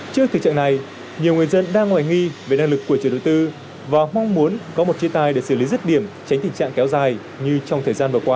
trước thời gian này nhiều người dân đang ngoài nghi về năng lực của chủ đầu tư và mong muốn có một chia tay để xử lý rứt điểm tránh tình trạng kéo dài như trong thời gian vừa qua